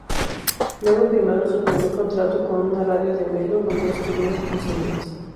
Luego, firmaron su primer contrato con una radio de Melo, donde estuvieron quince días.